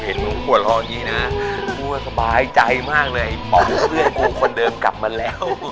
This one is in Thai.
เห็นฟังกว่า๙๑นะสบายใจมากเลยไม่เปลี่ยนคนเดิมกลับมาแล้ว